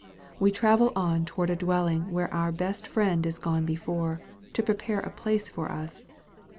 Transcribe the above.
We travel on toward a dwelling where our best Friend is gone before, to prepare a place for us.